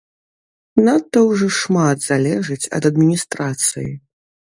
Надта ўжо шмат залежыць ад адміністрацыі.